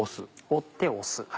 折って押す。